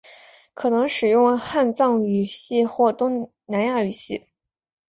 可能使用汉藏语系或南亚语系。